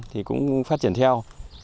thì cũng phát triển theo